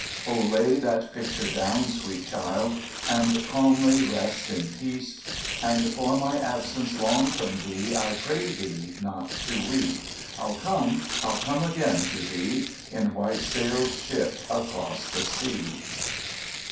O lay that picture down, sweet child, And calmly rest in sleep, And for my absence long from thee 1 pray thee not to weep! I'll come! Til come again to thee. In '' white sailed ship " across the sea.